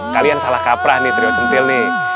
kalian salah kaprah nih triwacentil nih